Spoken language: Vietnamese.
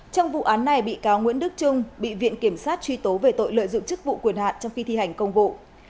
trong vụ án này bị cáo nguyễn đức trung bị viện kiểm sát truy tố về tội lợi dụng chức vụ quyền hạn trong khi thi hành công vụ